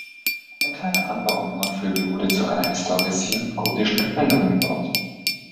Ein kleiner Anbau am Nordflügel wurde zu einer historisierend gotischen Kapelle umgebaut.